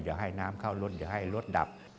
อย่าให้น้ำเข้ารถอย่าให้รถดับ